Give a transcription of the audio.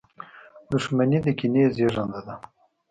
• دښمني د کینې زېږنده ده.